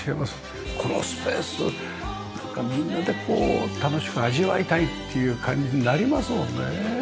このスペースなんかみんなでこう楽しく味わいたいっていう感じになりますもんね。